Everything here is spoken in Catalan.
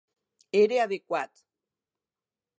Era adequat.